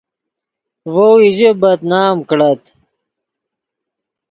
ڤؤ ایژے بد نام کڑت